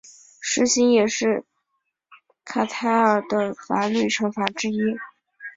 石刑也是卡塔尔的法律惩罚之一。